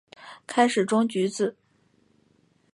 开始装橘子